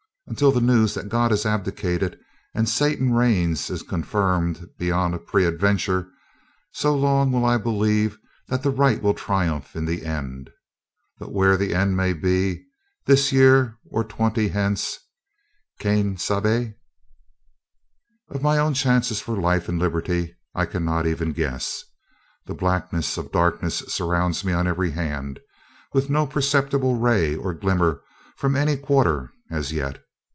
Until the news that God has abdicated and Satan reigns is confirmed beyond a peradventure, so long will I believe that the right will triumph in the end. But where the end may be, this year or twenty hence, quien sabe? Of my own chances for life and liberty, I cannot even guess. The blackness of darkness surrounds me on every hand, with no perceptible ray or glimmer from any quarter, as yet.